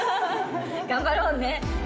頑張ろうね。